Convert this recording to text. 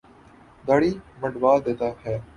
داڑھی منڈوا دیتا ہے۔